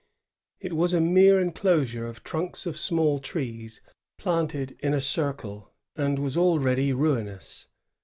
It was a mere enclosure of trunks of small trees planted in a circle, and was already ruinous.